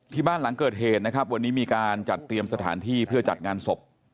หลังเกิดเหตุนะครับวันนี้มีการจัดเตรียมสถานที่เพื่อจัดงานศพ